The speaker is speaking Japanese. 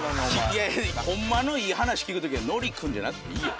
いやいやホンマのいい話聞くときはＮｏｒｉ君じゃなくていいよ。